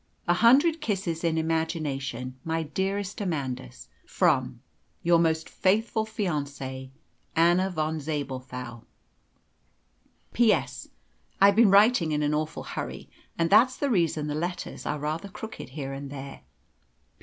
A hundred kisses in imagination, my dearest Amandus, from "Your most faithful fiancée, "ANNA VON ZABELTHAU. "P.S. I've been writing in an awful hurry, and that's the reason the letters are rather crooked here and there.